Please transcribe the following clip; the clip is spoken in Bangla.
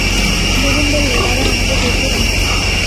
নবীন বললে, দাদা আমাদের দেশেই পাঠাবে।